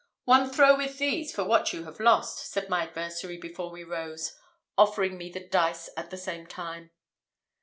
"One throw with these for what you have lost," said my adversary, before we rose, offering me the dice at the same time.